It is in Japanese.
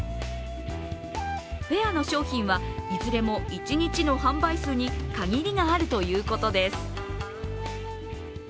フェアの商品は、いずれも一日の販売数に限りがあるということです。